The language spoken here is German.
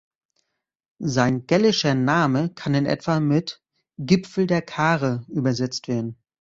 Sein gälischer Name kann in etwa mit "Gipfel der Kare" übersetzt werden.